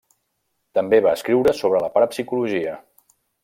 També va escriure sobre la parapsicologia.